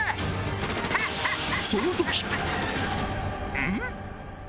うん？